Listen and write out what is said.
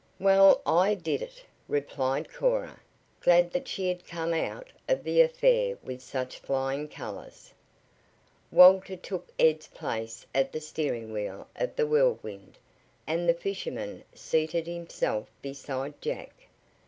"Well, I did it," replied Cora, glad that she had come out of the affair with such flying colors. Walter took Ed's place at the steering wheel of the Whirlwind, and the fisherman seated himself beside Jack.